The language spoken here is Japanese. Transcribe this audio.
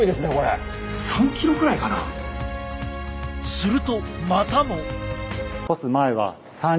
するとまたも。